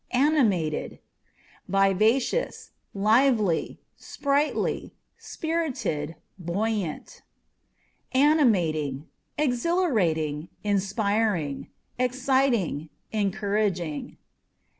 Animated â€" vivacious, lively, sprightly, spirited, buoyant. Animating â€" exhilarating, inspiring, exciting, encouraging.